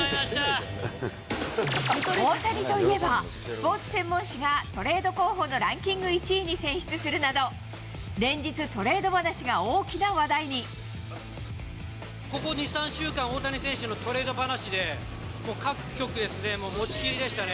大谷といえば、スポーツ専門誌がトレード候補のランキング１位に選出するなど、ここ、２、３週間、大谷選手のトレード話で各局ですね、持ちきりでしたね。